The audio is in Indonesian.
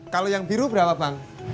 kalau yang biru berapa bang